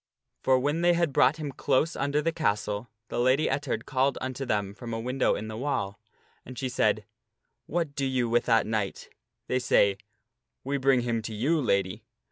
For when they had brought him close under the castle, the Lady Ettard called unto them from a window in the wall. And she said, "What do you with that knight?" They say, " We bring him to you, Lady."